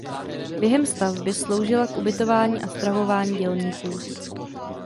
Během stavby sloužila k ubytování a stravování dělníků.